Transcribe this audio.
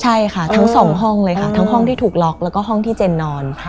ใช่ค่ะทั้งสองห้องเลยค่ะทั้งห้องที่ถูกล็อกแล้วก็ห้องที่เจนนอน